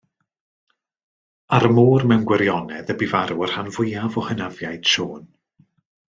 Ar y môr mewn gwirionedd y bu farw y rhan fwyaf o hynafiaid Siôn.